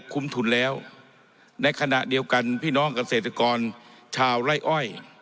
คุ้มทุนแล้วในขณะเดียวกันพี่น้องเกษตรกรชาวไร่อ้อย